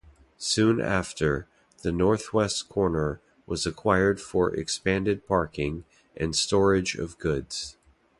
Soon after, the northwest corner was acquired for expanded parking and storage of goods.